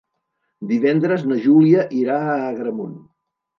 Divendres na Júlia irà a Agramunt.